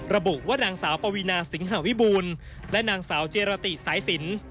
ระบุว่านางสาวปวีนาสิงหาวิบูลและนางสาวเจรติสายสิน